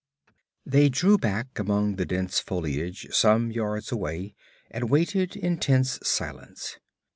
They drew back among the dense foliage some yards away and waited in tense silence.